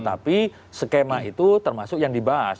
tapi skema itu termasuk yang dibahas